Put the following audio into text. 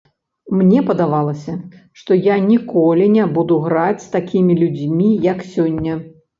Мне падавалася, што я ніколі не буду граць з такімі людзьмі, як сёння.